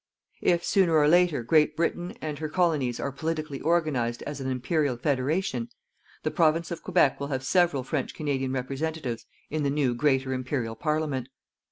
If, sooner or later, Great Britain and her Colonies are politically organized as an Imperial Federation, the Province of Quebec will have several French Canadian representatives in the new Greater Imperial Parliament.